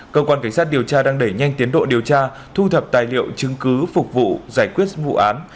cơ quan cảnh sát điều tra đang đẩy nhanh tiến độ điều tra thu thập tài liệu chứng cứ phục vụ giải quyết vụ án